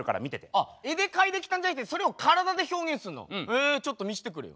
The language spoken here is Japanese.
あ絵で描いてきたんじゃなくてそれを体で表現すんの？へちょっと見せてくれよ。